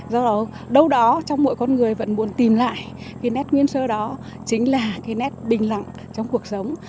do đó đâu đó trong mỗi con người vẫn muốn tìm lại cái nét nguyên sơ đó chính là cái nét bình lặng trong cuộc sống